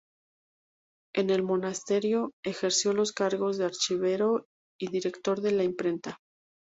En el monasterio ejerció los cargos de archivero y de director de la imprenta.